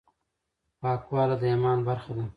پاکواله د ایمان برخه ده.